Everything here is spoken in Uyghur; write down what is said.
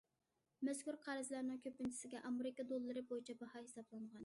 مەزكۇر قەرزلەرنىڭ كۆپىنچىسىگە ئامېرىكا دوللىرى بويىچە باھا ھېسابلانغان.